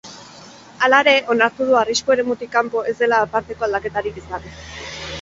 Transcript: Hala ere, onartu du arrisku eremutik kanpo ez dela aparteko aldaketarik izan.